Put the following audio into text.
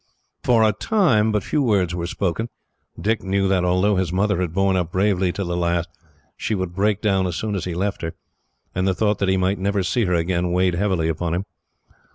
For a time but few words were spoken. Dick knew that, although his mother had borne up bravely till the last, she would break down as soon as he left her; and the thought that he might never see her again weighed heavily upon him.